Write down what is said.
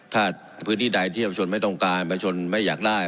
ถ้าพื้นที่ใดที่ประชนไม่ต้องการประชนไม่อยากได้